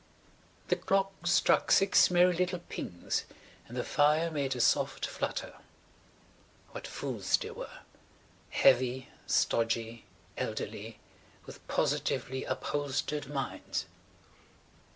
The clock struck six merry little pings and the fire made a soft flutter. What fools they were–heavy, stodgy, elderly–with positively upholstered minds.